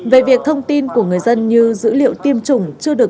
dữ liệu tiêm chủng và dữ liệu trách nhiệm này